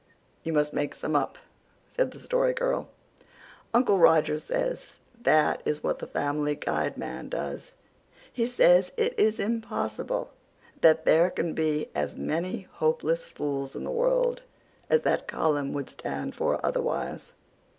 "You must make some up," said the Story Girl. "Uncle Roger says that is what the Family Guide man does. He says it is impossible that there can be as many hopeless fools in the world as that column would stand for otherwise."